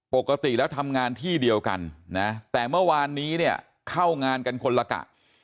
ปกติแล้วทำงานที่เดียวกันนะแต่เมื่อวานนี้เนี่ยเข้างานกันคนละกะ